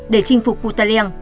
để chinh phục putaleng